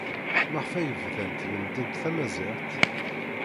Maɣef ay bdant lemmdent tamaziɣt?